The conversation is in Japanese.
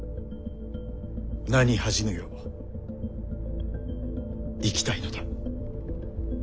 名に恥じぬよう生きたいのだ。